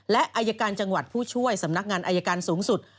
และอายการจังหวัดผู้ช่วยสำนักงานอายการสูงสุด